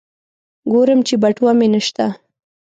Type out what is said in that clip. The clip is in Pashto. ګورم چې بټوه مې نشته.